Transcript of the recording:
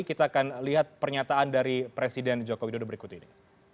kita akan lihat pernyataan dari presiden joko widodo berikut ini